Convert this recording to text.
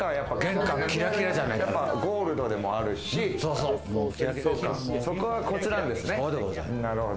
ゴールドでもあるし、そこがコツなんですね。